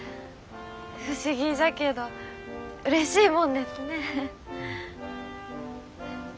不思議じゃけどうれしいもんですね。